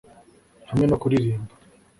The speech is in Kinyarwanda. hamwe no kuririmba